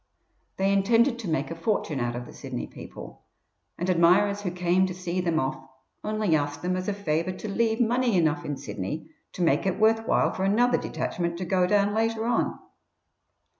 They intended to make a fortune out of the Sydney people, and admirers who came to see them off only asked them as a favour to leave money enough in Sydney to make it worth while for another detachment to go down later on.